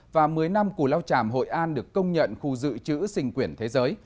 và một mươi năm củ lao tràm hội an được công nhận khu dự trữ sinh quyển thế giới